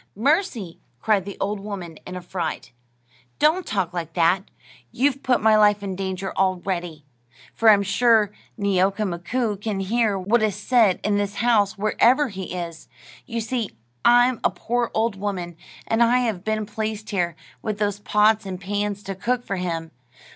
"Mercy!" cried the old woman, in affright; "don't talk like that. You've put my life in danger already, for I'm sure Neeoka Mkoo can hear what is said in this house, wherever he is. You see I'm a poor old woman, and I have been placed here, with those pots and pans, to cook for him.